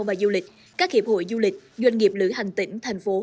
trong khuôn khổ các hiệp hội du lịch doanh nghiệp lựa hành tỉnh thành phố